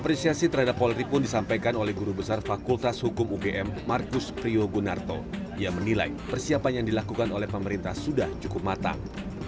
ia menilai persiapan yang dilakukan oleh pemerintah sudah cukup matang